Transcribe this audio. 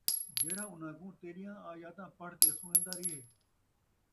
جِہڑا اُنھاں کوں تیݙیاں آیاتاں پڑھ تے سݨیندا رَہے،